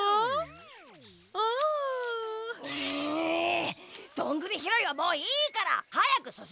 どんぐりひろいはもういいからはやくすすむぞ！